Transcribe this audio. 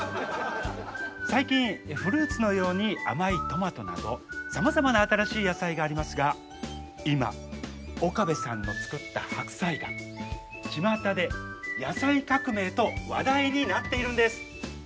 最近フルーツのように甘いトマトなどさまざまな新しい野菜がありますが今岡部さんの作った白菜がちまたで「野菜革命」と話題になっているんです。